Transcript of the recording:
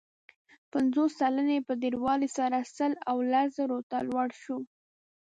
پنځوس سلنې په ډېروالي سره سل او لس زرو ته لوړ شو.